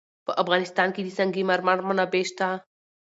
په افغانستان کې د سنگ مرمر منابع شته.